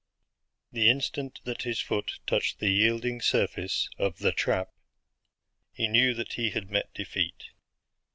The instant that his foot touched the yielding surface of the trap, he knew that he had met defeat.